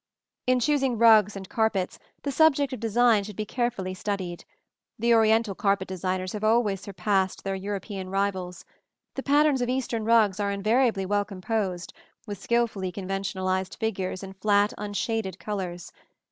In choosing rugs and carpets the subject of design should be carefully studied. The Oriental carpet designers have always surpassed their European rivals. The patterns of Eastern rugs are invariably well composed, with skilfully conventionalized figures in flat unshaded colors.